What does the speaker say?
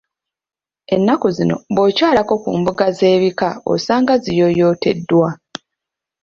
Ennaku zino bw’okyalako ku mbuga z’ebika osanga ziyooyooteddwa.